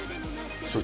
所長。